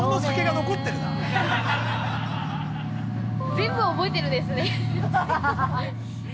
全部覚えてるんですね。